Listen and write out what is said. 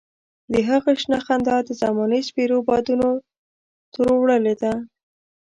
د هغه شنه خندا د زمانې سپېرو بادونو تروړلې وه.